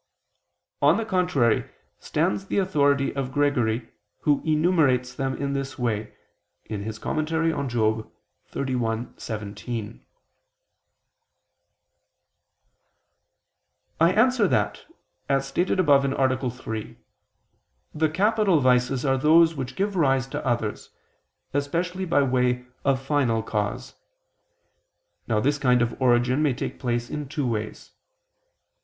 On the contrary, stands the authority of Gregory who enumerates them in this way (Moral. xxxi, 17). I answer that, As stated above (A. 3), the capital vices are those which give rise to others, especially by way of final cause. Now this kind of origin may take place in two ways.